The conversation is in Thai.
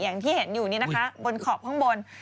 อย่างที่เห็นอยู่นี่นะคะบนขอบข้างบน